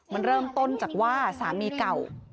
มันเริ่มต้นจากว่าสามีเก่า